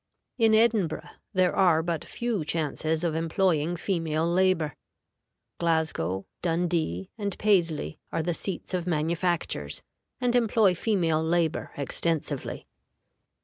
In Edinburgh there are but few chances of employing female labor. Glasgow, Dundee, and Paisley are the seats of manufactures, and employ female labor extensively.